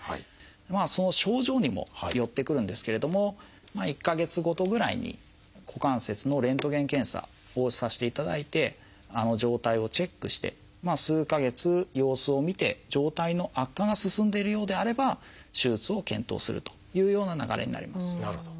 その症状にもよってくるんですけれども１か月ごとぐらいに股関節のレントゲン検査をさせていただいて状態をチェックして数か月様子を見て状態の悪化が進んでいるようであれば手術を検討するというような流れになります。